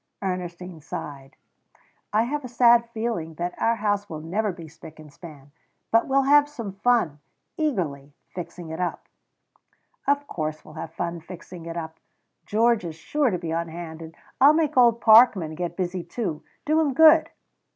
Ernestine sighed. "I have a sad feeling that our house never will be spick and span. But we'll have some fun," eagerly "fixing it up." "Of course we'll have fun fixing it up! Georgia's sure to be on hand, and I'll make old Parkman get busy too do him good."